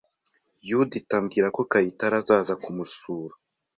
Yudita ambwira ko Kayitare azaza kumusura.